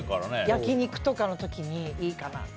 焼き肉とかの時にいいかなと。